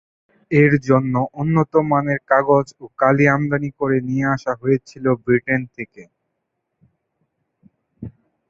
এর জন্য উন্নতমানের কাগজ ও কালি আমদানি ক’রে নিয়ে আসা হয়েছিল ব্রিটেন থেকে।